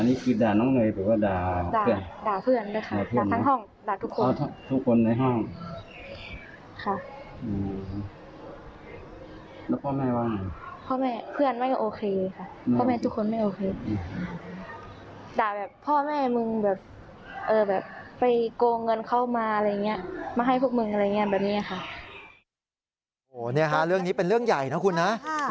นี่ฮะเรื่องนี้เป็นเรื่องใหญ่นะคุณนะ